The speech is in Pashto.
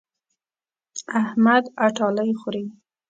احمد اټالۍ خوري.